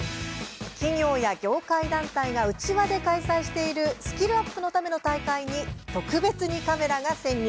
企業や業界団体が内輪で開催しているスキルアップのための大会に特別にカメラが潜入。